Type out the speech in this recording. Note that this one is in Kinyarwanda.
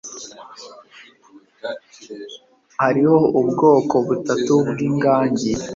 Hariho ubwoko butatu bwingagi: